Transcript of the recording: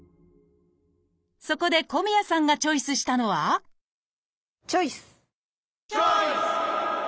そこで小宮さんがチョイスしたのはチョイス！